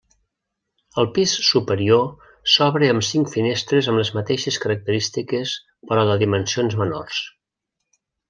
El pis superior s'obre amb cinc finestres amb les mateixes característiques però de dimensions menors.